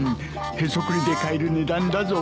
へそくりで買える値段だぞ。